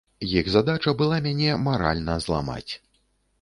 Іх задача была мяне маральна зламаць.